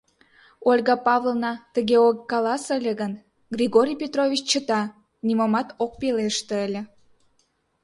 Ольга Павловна тыге ок каласе ыле гын, Григорий Петрович чыта, нимомат ок пелеште ыле.